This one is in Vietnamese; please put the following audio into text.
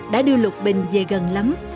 đã đưa lục bình về gần lắm